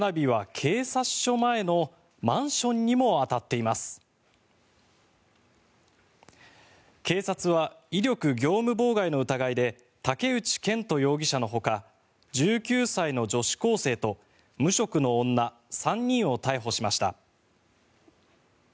警察は威力業務妨害の疑いで竹内健人容疑者のほか１９歳の女子高生と無職の女３人を逮捕しました。